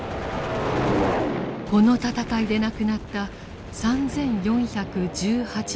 この戦いで亡くなった３４１８人の調査です。